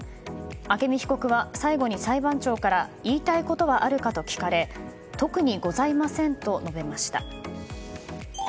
朱美被告は最後に裁判長から言いたいことはあるかと聞かれ特にございませんと述べました。